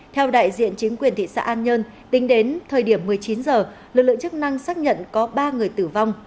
theo đại diện chính quyền thị xã an nhơn tính đến thời điểm một mươi chín h lực lượng chức năng xác nhận có ba người tử vong